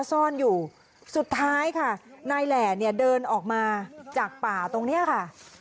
ซ่อนอยู่สุดท้ายค่ะนายแหล่เนี่ยเดินออกมาจากป่าตรงเนี้ยค่ะ